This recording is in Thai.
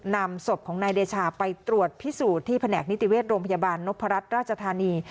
นำศพของนายเดชาไปตรวจพิสูจน์ที่แผนกนิติเวชโรงพยาบาลนพรัชราชธานี